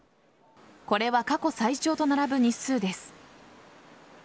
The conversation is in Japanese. これは過去最長と並ぶ日数です。